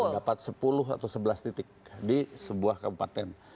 dapat sepuluh atau sebelas titik di sebuah kabupaten